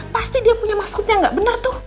pasti dia punya maksudnya gak bener tuh